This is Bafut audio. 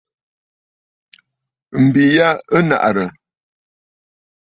M̀bi ya ɨ nàʼàrə̀.